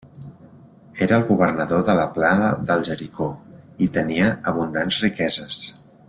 Era el governador de la plana de Jericó i tenia abundants riqueses.